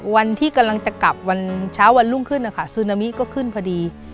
วันที่กำลังจะกลับวันเช้าวันรุ่งขึ้นนะคะซูนามิก็ขึ้นพอดี